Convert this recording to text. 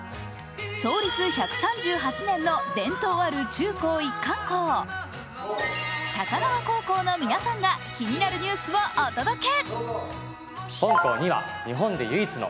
創立１３８年の伝統ある中高一貫校、高輪高校の皆さんが気になるニュースをお届け。